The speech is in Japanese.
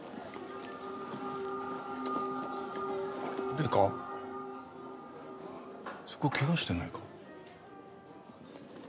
零花そこケガしてないか？